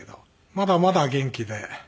まだまだ元気で。